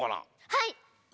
はい。